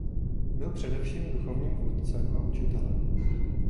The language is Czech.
Byl především duchovním vůdcem a učitelem.